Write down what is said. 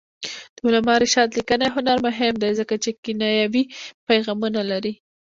د علامه رشاد لیکنی هنر مهم دی ځکه چې کنایوي پیغامونه لري.